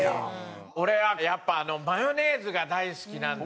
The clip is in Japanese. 俺はやっぱマヨネーズが大好きなんで。